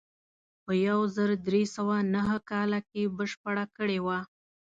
په یو زر درې سوه نهه کال کې بشپړه کړې وه.